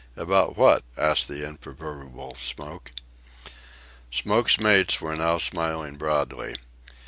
"About what?" asked the imperturbable Smoke. Smoke's mates were now smiling broadly.